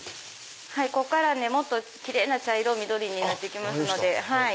ここからもっとキレイな茶色緑になって行きますので。